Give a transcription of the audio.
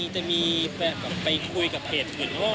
จะมีแบบไปคุยกับเพจหรือว่า